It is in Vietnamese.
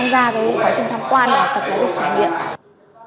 và trải nghiệm tham quan tập giáo dục trải nghiệm